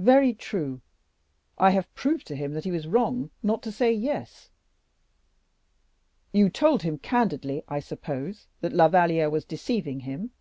"Very true; and I have proved to him he was wrong not to say 'Yes.'" "You told him candidly, I suppose, that La Valliere was deceiving him?"